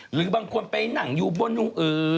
หรือบางคนไปนั่งอยู่บน